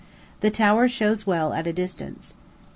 The tower shows well at a distance.